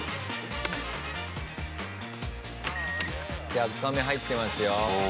１００カメ入ってますよ。